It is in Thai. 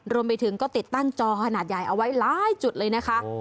รวมไปถึงก็ติดตั้งจอขนาดใหญ่เอาไว้หลายจุดเลยนะคะ